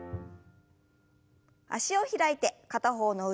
脚を開いて片方の腕を上に。